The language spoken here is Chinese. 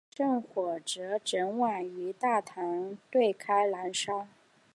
而圣火则整晚于大会堂对开燃烧。